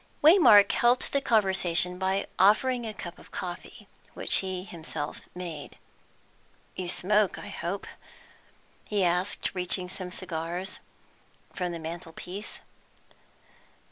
Waymark helped the conversation by offering a cup of coffee, which he himself made. "You smoke, I hope?" he asked, reaching some cigars from the mantelpiece.